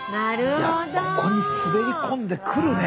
いやここに滑り込んでくるね。